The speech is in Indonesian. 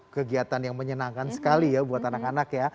kegiatan yang menyenangkan sekali buat anak anak